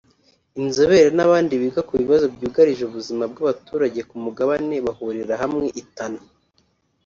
inzobere n’abandi biga ku bibazo byugarije ubuzima bw’abaturage ku mugabane bahurira hamwe i Tana